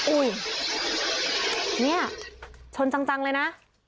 อุ้ยเนี่ยชนจังเลยนะ